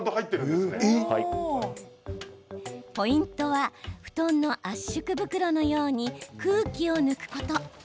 ポイントは布団の圧縮袋のように空気を抜くこと。